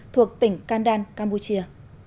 thuộc tỉnh kandan campuchia